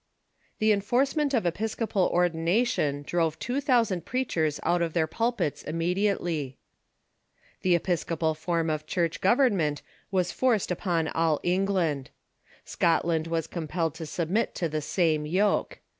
The enforcement of episcopal ordination drove two thousand l^reachers out of their jjulpits immediately. The episcopal form of Church government was forced upon all England. Scot land was compelled to subnet to the same yoke.